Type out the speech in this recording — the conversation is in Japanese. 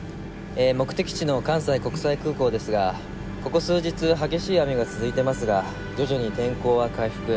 目的地の関西国際空港ですがここ数日激しい雨が続いていますが徐々に天候は回復。